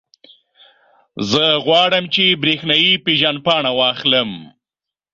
زه غواړم، چې برېښنایي پېژندپاڼه واخلم.